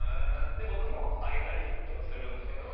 僕もあげたりとかするんですけど。